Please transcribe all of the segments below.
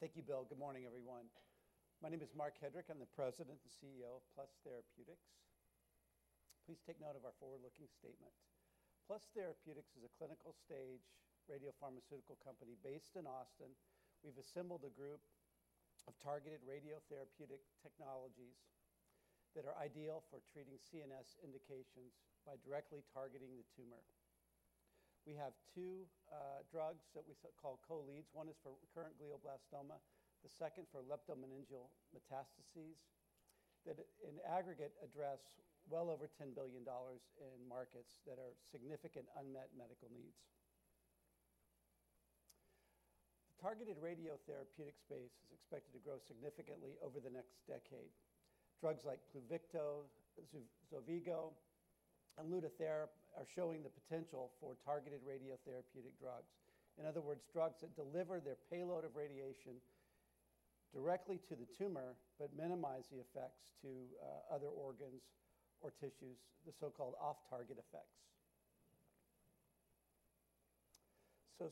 Good. Thank you, Bill. Good morning, everyone. My name is Marc Hedrick. I'm the President and CEO of Plus Therapeutics. Please take note of our forward-looking statement. Plus Therapeutics is a clinical stage radiopharmaceutical company based in Austin. We've assembled a group of targeted radiotherapeutic technologies that are ideal for treating CNS indications by directly targeting the tumor. We have two drugs that we so call co-leads. One is for recurrent Glioblastoma, the second for Leptomeningeal metastases, that in aggregate address well over $10 billion in markets that are significant unmet medical needs. The targeted radiotherapeutic space is expected to grow significantly over the next decade. Drugs like Pluvicto, Xofigo, and Lutathera are showing the potential for targeted radiotherapeutic drugs. In other words, drugs that deliver their payload of radiation directly to the tumor, but minimize the effects to other organs or tissues, the so-called off-target effects.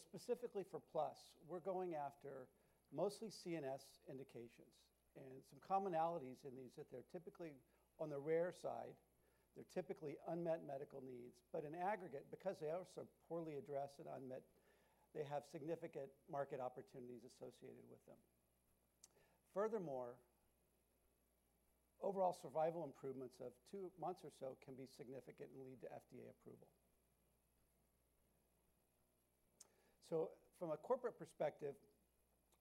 Specifically for Plus, we're going after mostly CNS indications and some commonalities in these, that they're typically on the rare side. They're typically unmet medical needs, but in aggregate, because they are so poorly addressed and unmet, they have significant market opportunities associated with them. Furthermore, overall survival improvements of two months or so can be significant and lead to FDA approval. From a corporate perspective,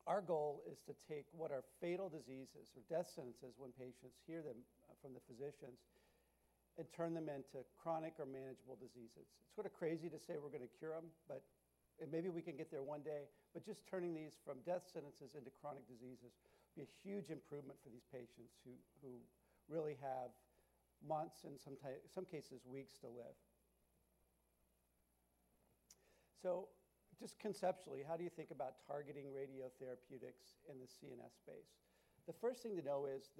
our goal is to take what are fatal diseases or death sentences when patients hear them from the physicians, and turn them into chronic or manageable diseases. It's sort of crazy to say we're going to cure them, but. Maybe we can get there one day, but just turning these from death sentences into chronic diseases will be a huge improvement for these patients who, who really have months and some cases, weeks to live. Just conceptually, how do you think about targeting radiotherapeutics in the CNS space? The first thing to know is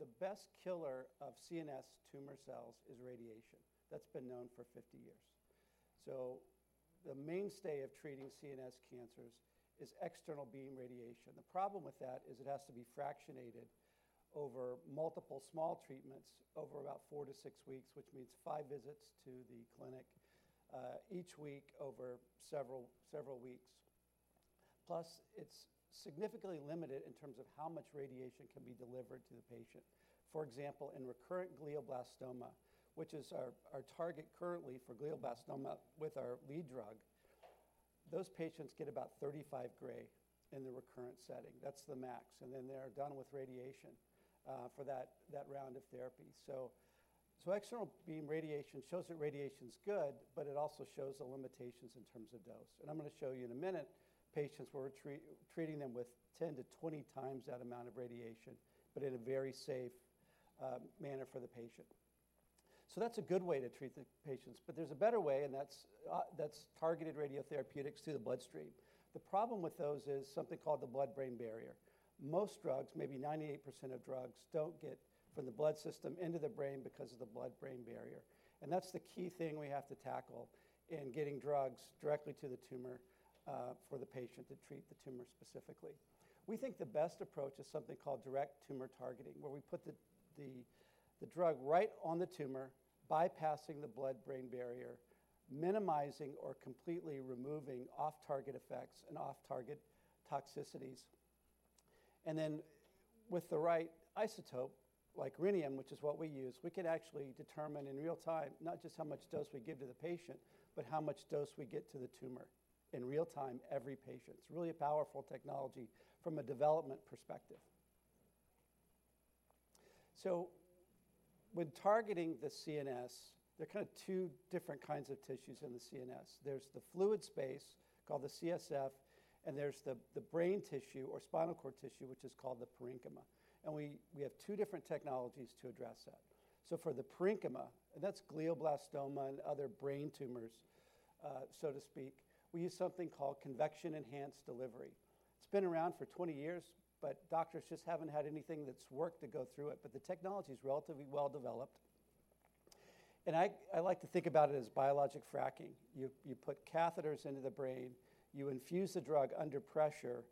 the best killer of CNS tumor cells is radiation. That's been known for 50 years. The mainstay of treating CNS cancers is external beam radiation. The problem with that is it has to be fractionated over multiple small treatments over about four to six weeks, which means five visits to the clinic each week over several weeks. Plus, it's significantly limited in terms of how much radiation can be delivered to the patient. For example, in recurrent glioblastoma, which is our target currently for glioblastoma with our lead drug, those patients get about 35 gray in the recurrent setting. That's the max, and then they are done with radiation for that round of therapy. So external beam radiation shows that radiation's good, but it also shows the limitations in terms of dose. I'm going to show you in a minute, patients we're treating them with 10 to 20 times that amount of radiation, but in a very safe manner for the patient. That's a good way to treat the patients, but there's a better way, and that's that's targeted radiotherapeutics through the bloodstream. The problem with those is something called the Blood-brain barrier. Most drugs, maybe 98% of drugs, don't get from the blood system into the brain because of the Blood-brain barrier. That's the key thing we have to tackle in getting drugs directly to the tumor for the patient to treat the tumor specifically. We think the best approach is something called direct tumor targeting, where we put the drug right on the tumor, bypassing the Blood-brain barrier, minimizing or completely removing off-target effects and off-target toxicities. With the right isotope, like rhenium, which is what we use, we could actually determine in real time, not just how much dose we give to the patient, but how much dose we get to the tumor. In real time, every patient. It's really a powerful technology from a development perspective. When targeting the CNS, there are kind of two different kinds of tissues in the CNS. There's the fluid space, called the CSF, and there's the brain tissue or spinal cord tissue, which is called the Parenchyma. We have two different technologies to address that. For the parenchyma, and that's glioblastoma and other brain tumors, so to speak, we use something called convection-enhanced delivery. It's been around for 20 years, doctors just haven't had anything that's worked to go through it, the technology is relatively well-developed. I, I like to think about it as biologic fracking. You, you put catheters into the brain, you infuse the drug under pressure,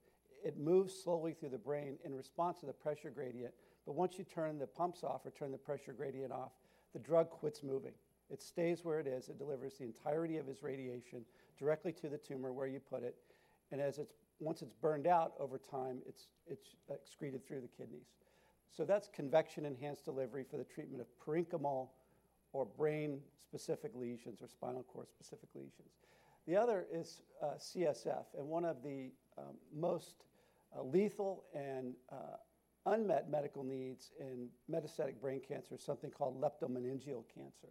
it moves slowly through the brain in response to the pressure gradient, once you turn the pumps off or turn the pressure gradient off, the drug quits moving. It stays where it is. It delivers the entirety of its radiation directly to the tumor where you put it, once it's burned out, over time, it's, it's excreted through the kidneys. That's convection-enhanced delivery for the treatment of parenchymal or brain-specific lesions or spinal cord-specific lesions. The other is CSF, and one of the most lethal and unmet medical needs in metastatic brain cancer is something called leptomeningeal cancer.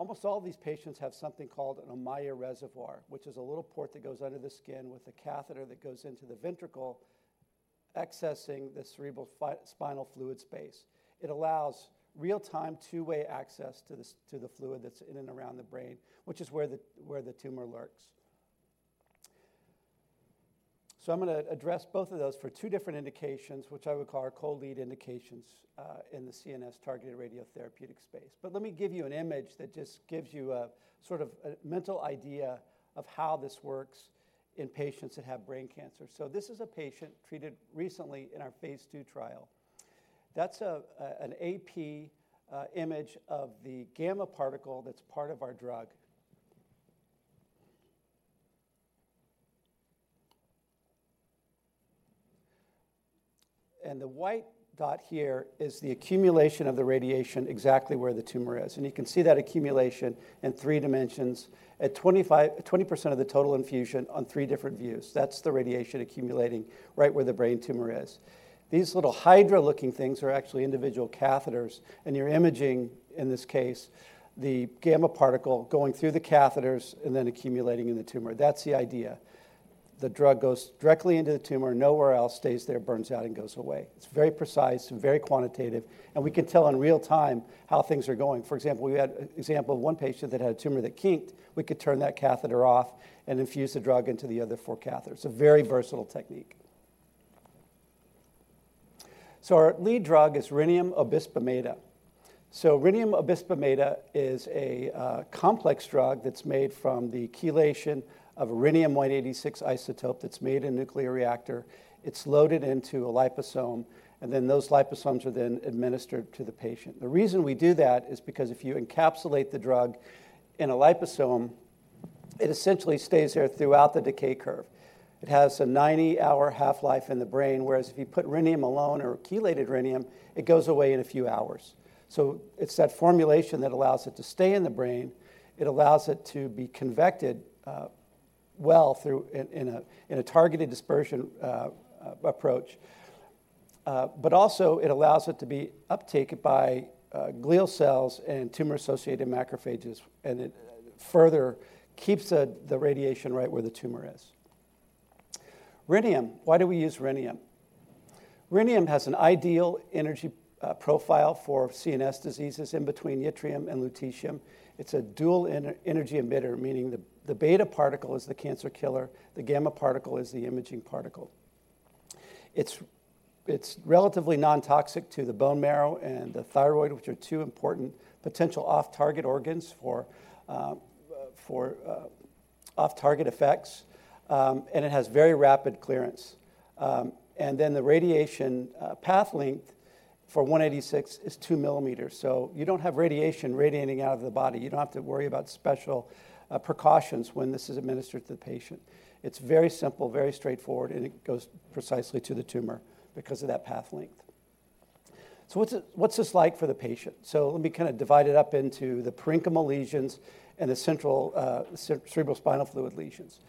Almost all of these patients have something called an Ommaya reservoir, which is a little port that goes under the skin with a catheter that goes into the ventricle, accessing the cerebral spinal fluid space. It allows real-time, two-way access to the fluid that's in and around the brain, which is where the, where the tumor lurks. I'm going to address both of those for two different indications, which I would call our co-lead indications in the CNS targeted radiotherapeutic space. Let me give you an image that just gives you a sort of a mental idea of how this works in patients that have brain cancer. This is a patient treated recently in our phase II trial.... That's an AP image of the gamma particle that's part of our drug. The white dot here is the accumulation of the radiation exactly where the tumor is, and you can see that accumulation in three dimensions at 25-20% of the total infusion on three different views. That's the radiation accumulating right where the brain tumor is. These little hydra-looking things are actually individual catheters, and you're imaging, in this case, the gamma particle going through the catheters and then accumulating in the tumor. That's the idea. The drug goes directly into the tumor, nowhere else, stays there, burns out, and goes away. It's very precise and very quantitative, and we can tell in real time how things are going. For example, we had an example of one patient that had a tumor that kinked. We could turn that catheter off and infuse the drug into the other four catheters. A very versatile technique. Our lead drug is rhenium obisbemeda. Rhenium obisbemeda is a complex drug that's made from the chelation of rhenium-186 isotope that's made in a nuclear reactor. It's loaded into a liposome, and then those liposomes are then administered to the patient. The reason we do that is because if you encapsulate the drug in a liposome, it essentially stays there throughout the decay curve. It has a 90-hour half-life in the brain, whereas if you put rhenium alone or chelated rhenium, it goes away in a few hours. It's that formulation that allows it to stay in the brain. It allows it to be convected well through in, in a, in a targeted dispersion approach, but also it allows it to be uptaken by glial cells and tumor-associated macrophages, and it further keeps the radiation right where the tumor is. Rhenium, why do we use rhenium? Rhenium has an ideal energy profile for CNS diseases in between yttrium and lutetium. It's a dual energy emitter, meaning the beta particle is the cancer killer, the gamma particle is the imaging particle. It's, it's relatively non-toxic to the bone marrow and the thyroid, which are two important potential off-target organs for for off-target effects, and it has very rapid clearance. And then the radiation path length for 186 is 2 mm. You don't have radiation radiating out of the body. You don't have to worry about special precautions when this is administered to the patient. It's very simple, very straightforward, and it goes precisely to the tumor because of that path length. What's it, what's this like for the patient? Let me kind of divide it up into the parenchymal lesions and the central cerebrospinal fluid lesions.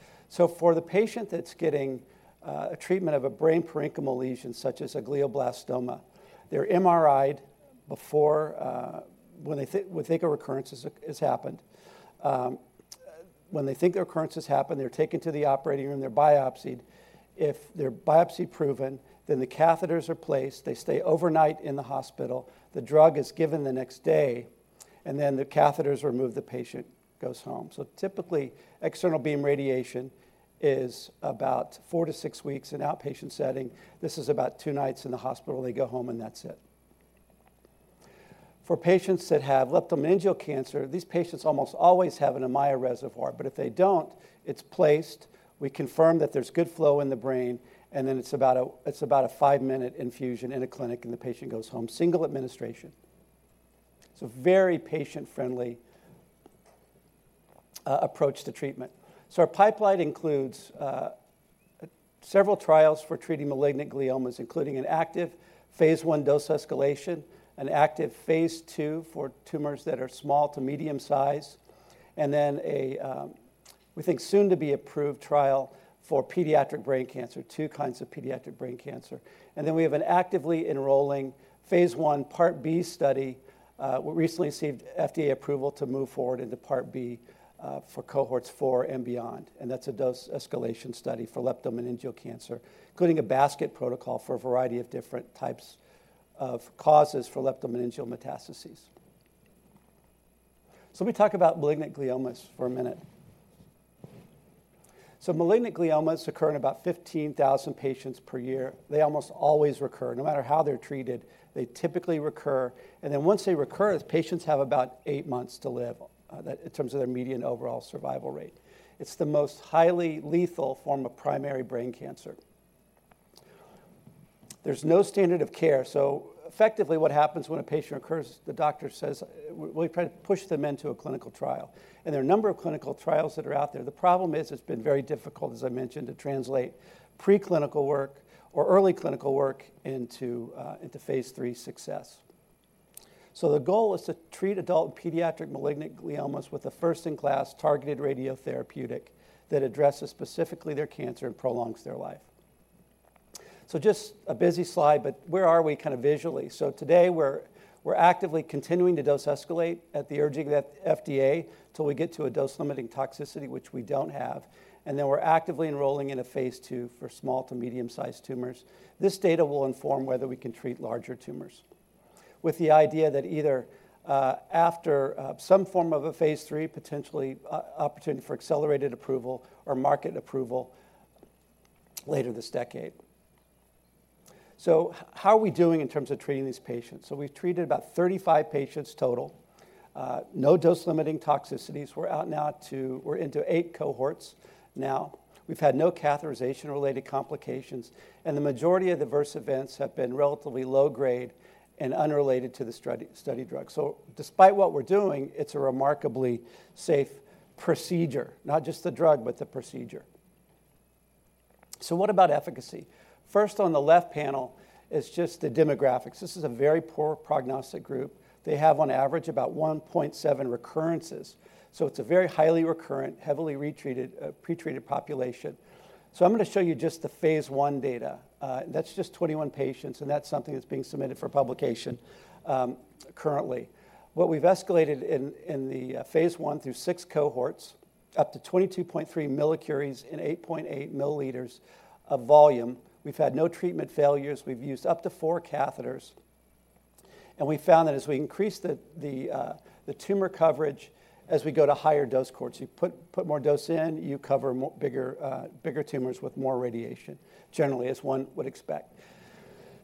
For the patient that's getting a treatment of a brain parenchymal lesion, such as a glioblastoma, they're MRI'd before, when they we think a recurrence has, has happened. When they think the occurrence has happened, they're taken to the operating room, and they're biopsied. If they're biopsy-proven, the catheters are placed. They stay overnight in the hospital. The drug is given the next day, and then the catheter is removed, the patient goes home. Typically, external beam radiation is about four to six weeks in an outpatient setting. This is about two nights in the hospital. They go home, and that's it. For patients that have leptomeningeal cancer, these patients almost always have an Ommaya reservoir, but if they don't, it's placed, we confirm that there's good flow in the brain, and then it's about a five-minute infusion in a clinic, and the patient goes home. Single administration. It's a very patient-friendly approach to treatment. Our pipeline includes several trials for treating malignant gliomas, including an active phase I dose escalation, an active phase II for tumors that are small to medium-sized, and then we think, soon-to-be-approved trial for pediatric brain cancer, two kinds of pediatric brain cancer. We have an actively enrolling Phase I, Part B study, we recently received FDA approval to move forward into Part B, for cohorts four and beyond, and that's a dose escalation study for leptomeningeal cancer, including a basket protocol for a variety of different types of causes for leptomeningeal metastases. Let me talk about malignant gliomas for a minute. Malignant gliomas occur in about 15,000 patients per year. They almost always recur. No matter how they're treated, they typically recur, and then once they recur, the patients have about eight months to live, in terms of their median overall survival rate. It's the most highly lethal form of primary brain cancer. There's no standard of care, so effectively, what happens when a patient recurs, the doctor says, "we push them into a clinical trial," and there are a number of clinical trials that are out there. The problem is, it's been very difficult, as I mentioned, to translate preclinical work or early clinical work into into phase III success. The goal is to treat adult and pediatric malignant gliomas with a first-in-class targeted radiotherapeutic that addresses specifically their cancer and prolongs their life. Just a busy slide, but where are we kind of visually? Today, we're, we're actively continuing to dose escalate at the urging of the FDA until we get to a dose-limiting toxicity, which we don't have, and then we're actively enrolling in a phase II for small to medium-sized tumors. This data will inform whether we can treat larger tumors, with the idea that either, after, some form of a phase III, potentially, opportunity for accelerated approval or market approval later this decade. How are we doing in terms of treating these patients? We've treated about 35 patients total. No dose-limiting toxicities. We're out now, we're into eight cohorts now. We've had no catheterization-related complications, and the majority of adverse events have been relatively low grade and unrelated to the study, study drug. Despite what we're doing, it's a remarkably safe procedure, not just the drug, but the procedure. What about efficacy? First, on the left panel is just the demographics. This is a very poor prognostic group. They have, on average, about 1.7 recurrences. It's a very highly recurrent, heavily retreated, pretreated population. I'm gonna show you just the phase I data. That's just 21 patients, and that's something that's being submitted for publication, currently. What we've escalated in, in the phase I through six cohorts, up to 22.3 millicuries in 8.8 milliliters of volume. We've had no treatment failures. We've used up to four catheters, and we found that as we increase the, the, the tumor coverage, as we go to higher dose cohorts, you put, put more dose in, you cover bigger, bigger tumors with more radiation, generally, as one would expect.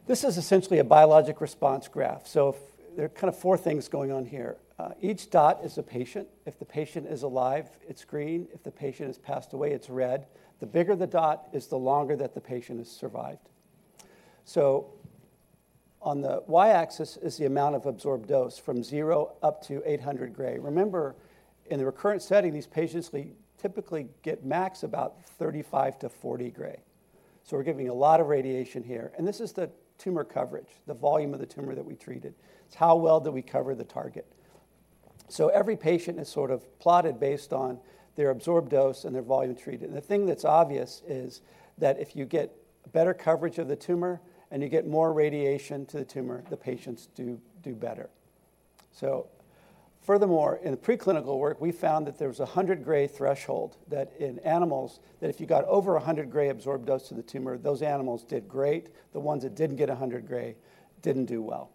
This is essentially a biologic response graph. If there are kind of four things going on here. Each dot is a patient. If the patient is alive, it's green. If the patient has passed away, it's red. The bigger the dot is the longer that the patient has survived. On the Y-axis is the amount of absorbed dose from zero up to 800 gray. Remember, in the recurrent setting, these patients typically get max about 35-40 gray. We're giving a lot of radiation here, and this is the tumor coverage, the volume of the tumor that we treated. It's how well did we cover the target? Every patient is sort of plotted based on their absorbed dose and their volume treated. The thing that's obvious is that if you get better coverage of the tumor, and you get more radiation to the tumor, the patients do, do better. Furthermore, in the preclinical work, we found that there was 100 gray threshold, that in animals, that if you got over 100 gray absorbed dose to the tumor, those animals did great. The ones that didn't get 100 gray didn't do well.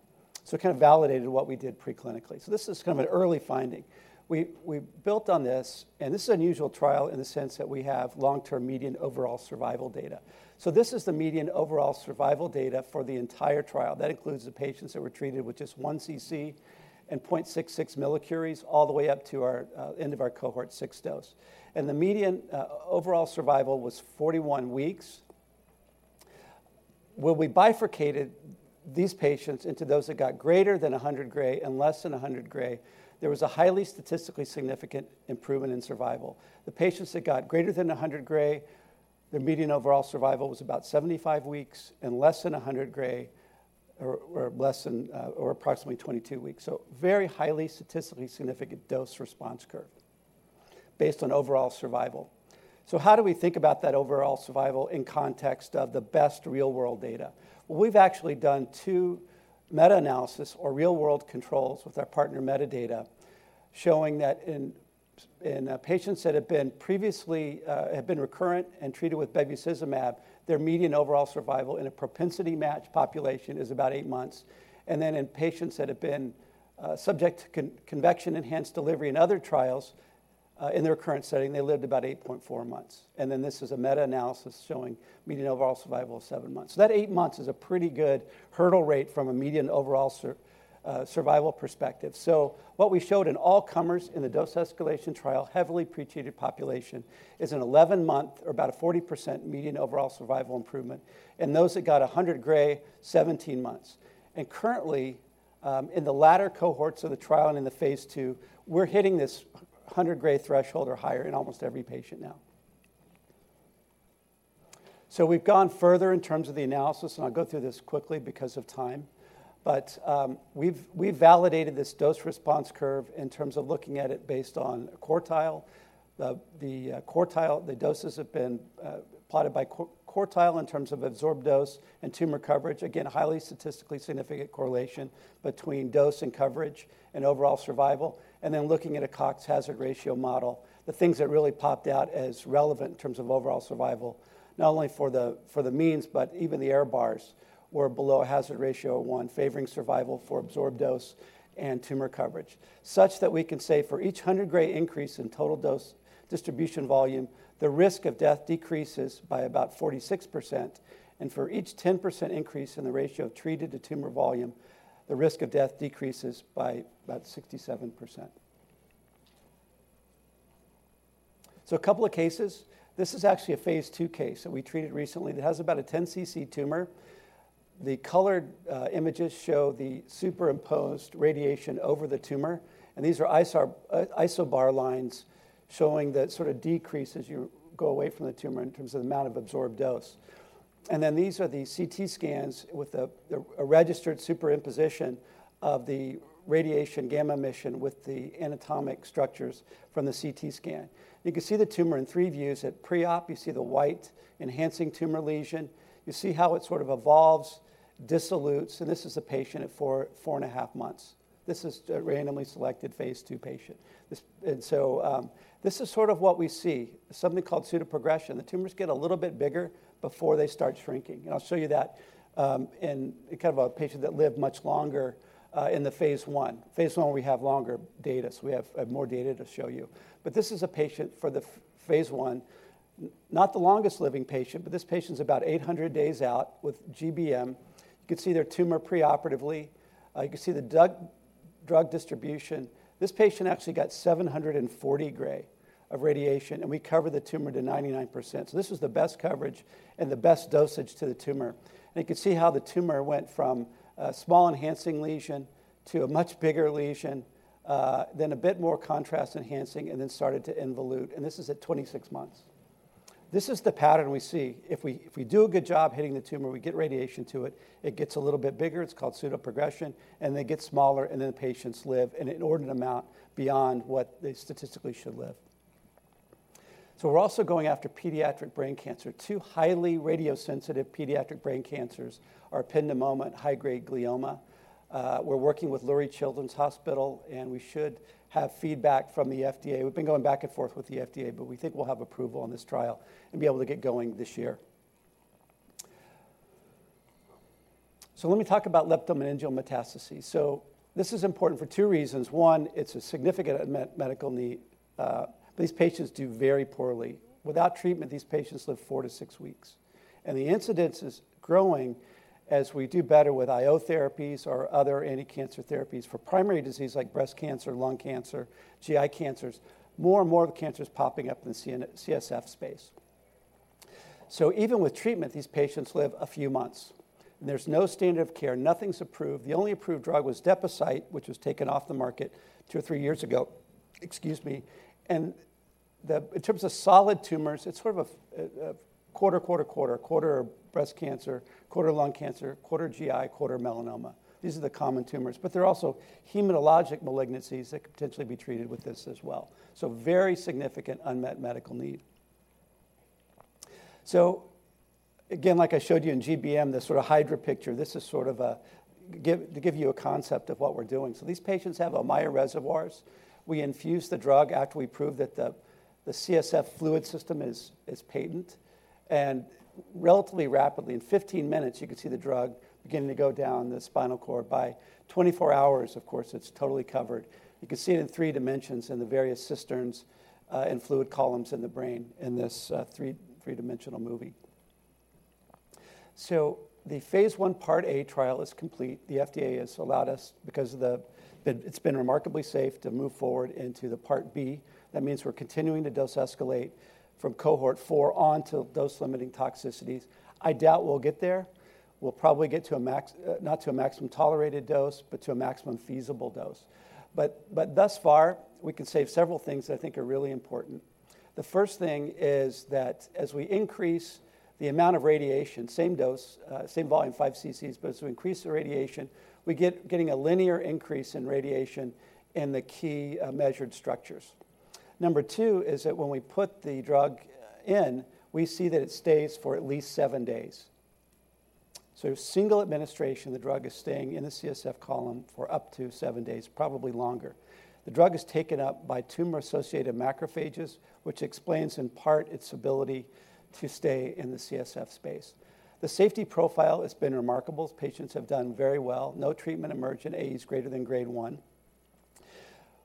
It kind of validated what we did preclinically. This is kind of an early finding. We, we built on this, and this is an unusual trial in the sense that we have long-term median overall survival data. This is the median overall survival data for the entire trial. That includes the patients that were treated with just 1 cc and 0.66 millicuries, all the way up to our end of our cohort six dose. The median overall survival was 41 weeks. When we bifurcated these patients into those that got greater than 100 gray and less than 100 gray, there was a highly statistically significant improvement in survival. The patients that got greater than 100 gray, their median overall survival was about 75 weeks, and less than 100 gray or approximately 22 weeks. Very highly statistically significant dose response curve based on overall survival. How do we think about that overall survival in context of the best real-world data? We've actually done two meta-analysis or real-world controls with our partner Medidata, showing that in, in patients that have been previously, have been recurrent and treated with bevacizumab, their median overall survival in a propensity match population is about eight months. In patients that have been subject to Convection-enhanced delivery in other trials, in their recurrent setting, they lived about 8.4 months. This is a meta-analysis showing median overall survival of seven months. That eight months is a pretty good hurdle rate from a median overall survival perspective. What we showed in all comers in the dose escalation trial, heavily pretreated population, is an 11-month or about a 40% median overall survival improvement, and those that got 100 gray, 17 months. Currently, in the latter cohorts of the trial and in the phase II, we're hitting this 100-gray threshold or higher in almost every patient now. We've gone further in terms of the analysis, and I'll go through this quickly because of time. We've, we've validated this dose response curve in terms of looking at it based on quartile. The quartile the doses have been plotted by quartile in terms of absorbed dose and tumor coverage. Again, a highly statistically significant correlation between dose and coverage and overall survival, and then looking at a Cox hazard ratio model, the things that really popped out as relevant in terms of overall survival, not only for the, for the means, but even the air bars, were below a hazard ratio of one, favoring survival for absorbed dose and tumor coverage. Such that we can say for each 100-gray increase in total dose distribution volume, the risk of death decreases by about 46%, and for each 10% increase in the ratio of treated to tumor volume, the risk of death decreases by about 67%. A couple of cases. This is actually a phase II case that we treated recently. It has about a 10 cc tumor. The colored images show the superimposed radiation over the tumor, and these are isodose lines showing that sort of decrease as you go away from the tumor in terms of the amount of absorbed dose. These are the CT scans with a registered superimposition of the radiation gamma emission with the anatomic structures from the CT scan. You can see the tumor in three views. At pre-op, you see the white enhancing tumor lesion. You see how it sort of evolves, dissolutes, and this is a patient at four, 4.5 months. This is a randomly selected phase II patient. This is sort of what we see, something called pseudoprogression. The tumors get a little bit bigger before they start shrinking. I'll show you that in kind of a patient that lived much longer in the phase I. Phase I, we have longer data, we have more data to show you. This is a patient for the phase I, not the longest living patient, this patient's about 800 days out with GBM. You can see their tumor preoperatively. You can see the drug distribution. This patient actually got 740 gray of radiation, we covered the tumor to 99%. This was the best coverage and the best dosage to the tumor. You can see how the tumor went from a small enhancing lesion to a much bigger lesion, then a bit more contrast enhancing, and then started to involute. This is at 26 months. This is the pattern we see. If we, if we do a good job hitting the tumor, we get radiation to it, it gets a little bit bigger, it's called pseudoprogression, and then it gets smaller, and then the patients live an inordinate amount beyond what they statistically should live. We're also going after pediatric brain cancer. Two highly radiosensitive pediatric brain cancers are pilocystoma and high-grade glioma. We're working with Lurie Children's Hospital, and we should have feedback from the FDA. We've been going back and forth with the FDA, but we think we'll have approval on this trial and be able to get going this year. Let me talk about leptomeningeal metastases. This is important for two reasons: one, it's a significant medical need. These patients do very poorly. Without treatment, these patients live four to six weeks. The incidence is growing as we do better with IO therapies or other anti-cancer therapies for primary disease like breast cancer, lung cancer, GI cancers. More and more of the cancer is popping up in the CNS CSF space. Even with treatment, these patients live a few months, and there's no standard of care. Nothing's approved. The only approved drug was DepoCyte, which was taken off the market two or three years ago. Excuse me. In terms of solid tumors, it's sort of a, a quarter, quarter, quarter. Quarter breast cancer, quarter lung cancer, quarter GI, quarter melanoma. These are the common tumors. There are also hematologic malignancies that could potentially be treated with this as well. Very significant unmet medical need. Again, like I showed you in GBM, the sort of hydra picture, this is sort of to give you a concept of what we're doing. These patients have Ommaya reservoirs. We infuse the drug after we prove that the CSF fluid system is patent. Relatively rapidly, in 15 minutes, you can see the drug beginning to go down the spinal cord. By 24 hours, of course, it's totally covered. You can see it in three dimensions in the various cisterns and fluid columns in the brain in this three, three dimensional movie. The phase I, part A trial is complete. The FDA has allowed us, because it's been remarkably safe to move forward into the part B. That means we're continuing to dose escalate from cohort four on to dose-limiting toxicities. I doubt we'll get there. We'll probably get to a max not to a maximum tolerated dose, but to a maximum feasible dose. Thus far, we can say several things I think are really important. The first thing is that as we increase the amount of radiation, same dose, same volume, 5 cc, but as we increase the radiation, we get-- getting a linear increase in radiation in the key, measured structures. Number two is that when we put the drug in, we see that it stays for at least seven days. So single administration, the drug is staying in the CSF column for up to seven days, probably longer. The drug is taken up by tumor-associated macrophages, which explains, in part, its ability to stay in the CSF space. The safety profile has been remarkable. Patients have done very well. No treatment-emergent AEs greater than grade one.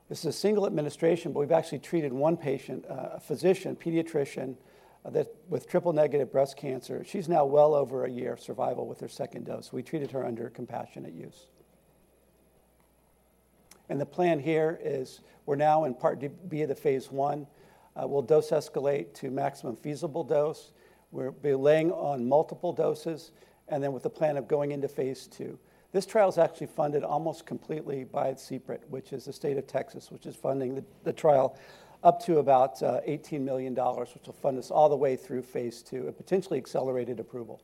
This is a single administration, but we've actually treated one patient, a physician, pediatrician, that with triple-negative breast cancer. She's now well over a year of survival with her second dose. We treated her under compassionate use. The plan here is we're now in part B of the phase I. We'll dose escalate to maximum feasible dose. We'll be laying on multiple doses, and then with the plan of going into phase II. This trial is actually funded almost completely by CPRIT, which is the state of Texas, which is funding the, the trial up to about $18 million, which will fund us all the way through phase II, a potentially accelerated approval.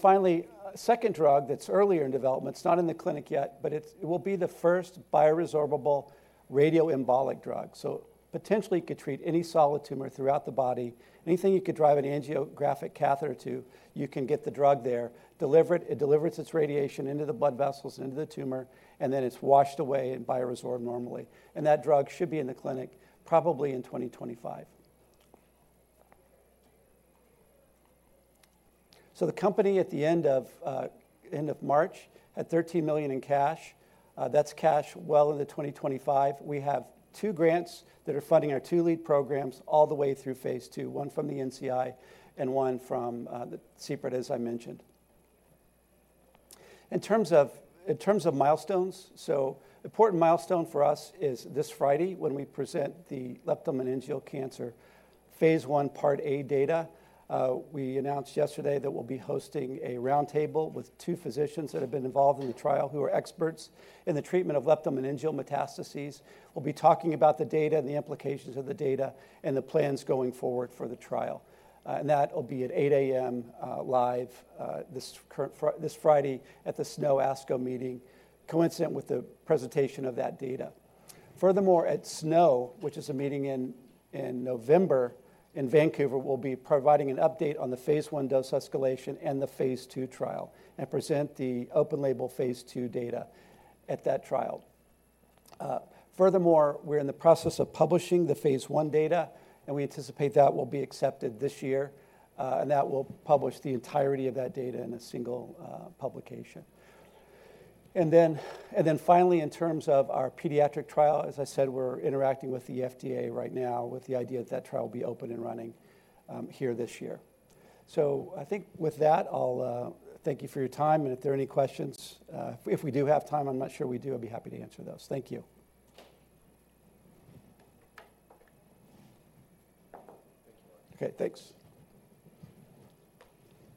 Finally, a second drug that's earlier in development, it's not in the clinic yet, but it will be the first bioresorbable radio-embolic drug. Potentially, it could treat any solid tumor throughout the body. Anything you could drive an angiographic catheter to, you can get the drug there, deliver it. It delivers its radiation into the blood vessels, into the tumor, and then it's washed away and bioresorbed normally. That drug should be in the clinic probably in 2025. The company at the end of end of March, had $13 million in cash. That's cash well into 2025. We have two grants that are funding our two lead programs all the way through phase II, one from the NCI and one from the CPRIT, as I mentioned. In terms of, in terms of milestones, important milestone for us is this Friday, when we present the leptomeningeal cancer phase I part A data. We announced yesterday that we'll be hosting a roundtable with two physicians that have been involved in the trial, who are experts in the treatment of leptomeningeal metastases. We'll be talking about the data and the implications of the data and the plans going forward for the trial. And that will be at 8:00 A.M. live this Friday at the SNO ASCO meeting, coincident with the presentation of that data. Furthermore, at SNO, which is a meeting in November, in Vancouver, we'll be providing an update on the phase I dose escalation and the phase II trial, and present the open-label phase II data at that trial. Furthermore, we're in the process of publishing the phase I data, and we anticipate that will be accepted this year, and that will publish the entirety of that data in a single publication. Then, finally, in terms of our pediatric trial, as I said, we're interacting with the FDA right now with the idea that that trial will be open and running here this year. I think with that, I'll thank you for your time. If there are any questions, if we do have time, I'm not sure we do, I'd be happy to answer those. Thank you. Thanks a lot. Okay, thanks.